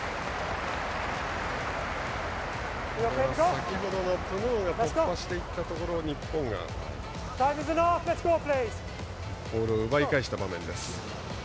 先ほどのプノーが突破していったところに日本がボールを奪い返した場面です。